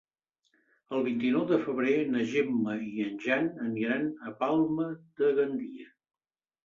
El vint-i-nou de febrer na Gemma i en Jan aniran a Palma de Gandia.